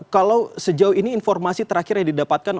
kalau sejauh ini informasi terakhir yang didapatkan